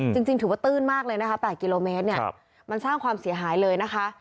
จริงถือว่าตื้นมากเลยนะคะ๘กิโลเมตรเนี่ยมันสร้างความเสียหายเลยนะคะ